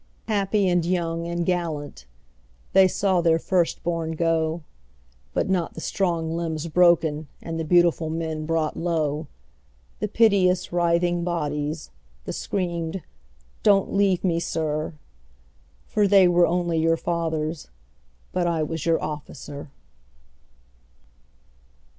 Happy and young and gallant, They saw their first bom go, 41 But not the strong limbs broken And the beautiful men brought low, The piteous writhing bodies, The screamed, " Don't leave me, Sir," For they were only your fathers But I was your officer.